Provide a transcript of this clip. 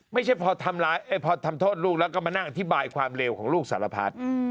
ไม่ใช่พอทำโทษลูกแล้วก็มานั่งอธิบายความเลวของลูกสารพัด